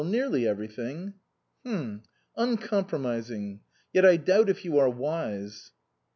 Nearly everything." " H'm. Uncompromising. Yet I doubt if you are wise."